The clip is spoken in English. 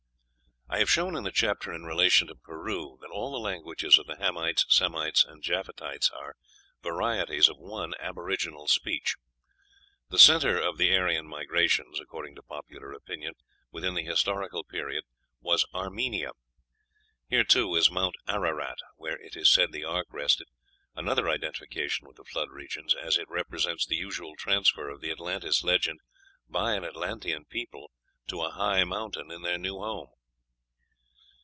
I have shown in the chapter in relation to Peru that all the languages of the Hamites, Semites, and Japhethites are varieties of one aboriginal speech. The centre of the Aryan migrations (according to popular opinion) within the Historical Period was Armenia. Here too is Mount Ararat, where it is said the ark rested another identification with the Flood regions, as it represents the usual transfer of the Atlantis legend by an Atlantean people to a high mountain in their new home.